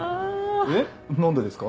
えっ何でですか？